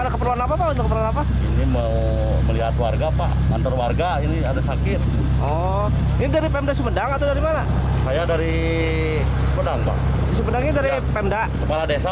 kepala desa pak